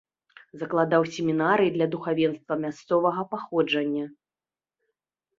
Закладаў семінарыі для духавенства мясцовага паходжання.